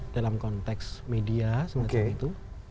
dalam konteks media semacam itu